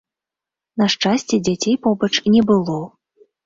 На шчасце, дзяцей побач не было.